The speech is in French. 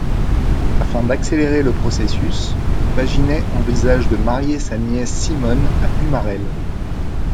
Afin d'accélérer le processus, Paginet envisage de marier sa nièce Simone à Plumarel.